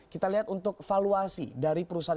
kita lihat untuk valuasi dari perusahaan